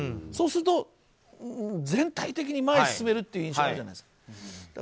そうすると全体的に前に進めるという印象があるじゃないですか。